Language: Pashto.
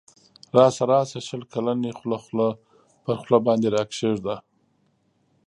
راسه راسه شل کلنی خوله خوله پر خوله باندی راکښېږده